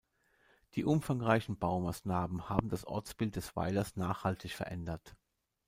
Die umfangreichen Baumaßnahmen haben das Ortsbild des Weilers nachhaltig verändert.